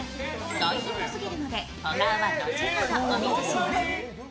大ヒントすぎるのでお顔は後ほどお見せします。